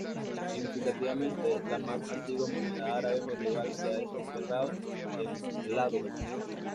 Significativamente, la más antigua moneda árabe medieval se ha desenterrado en Ládoga.